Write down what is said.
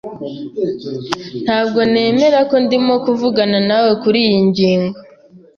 Ntabwo nemera ko ndimo kuvugana nawe kuriyi ngingo.